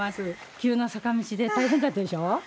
急な坂道で大変だったでしょ？